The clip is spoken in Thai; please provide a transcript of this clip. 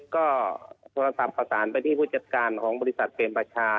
ก็โทรศัพท์ประสานไปที่ผู้จัดการของบริษัทเป็นประชา